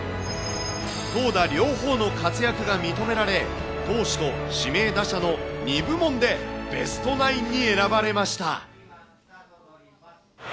投打両方の活躍が認められ、投手と指名打者の２部門でベストナインに選ばれました。